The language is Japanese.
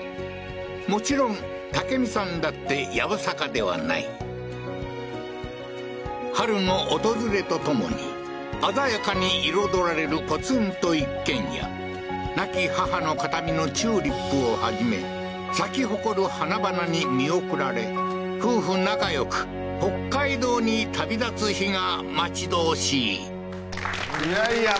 もちろん武美さんだってやぶさかではない春の訪れと共に鮮やかに彩られるポツンと一軒家亡き母の形見のチューリップをはじめ咲き誇る花々に見送られ夫婦仲よく北海道に旅立つ日が待ち遠しいいやいや